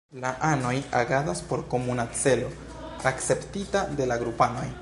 La anoj agadas por komuna celo, akceptita de la grupanoj.